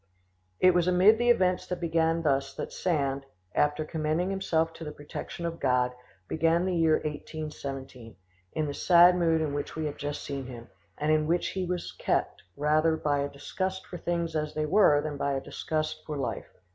It was amid the events that began thus that Sand, after commending himself to the protection of God, began the year 1817, in the sad mood in which we have just seen him, and in which he was kept rather by a disgust for things as they were than by a disgust for life.